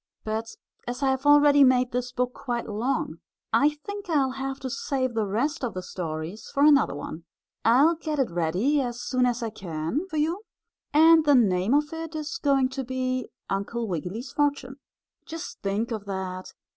But as I have already made this book quite long, I think I will have to save the rest of the stories for another one. I'll get it ready as soon as I can for you, and the name of it is going to be "Uncle Wiggily's Fortune." Just think of that!